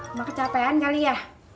emak kecapean kali ya